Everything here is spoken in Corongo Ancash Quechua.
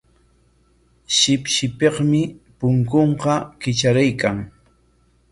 Shipshipikmi punkunqa kitraraykan.